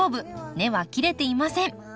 根は切れていません。